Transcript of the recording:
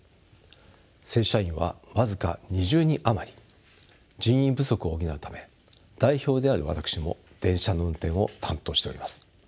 正社員は僅か２０人余り人員不足を補うため代表である私も電車の運転を担当しております。